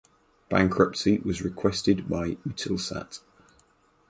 Bankruptcy was requested by Eutelsat.